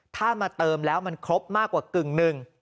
ถ้ามาเติมแล้วมันครบมากกว่ากึ่งหนึ่ง